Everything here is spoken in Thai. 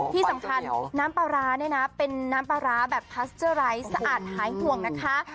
ที่สำคัญน้ำปลาร้าเนี่ยนะเป็นน้ำปลาร้าแบบพัสเจอร์ไร้สะอาดหายห่วงนะคะ